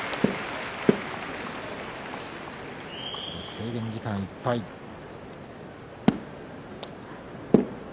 制限時間いっぱいです。